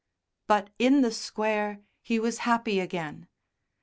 But in the Square he was happy again.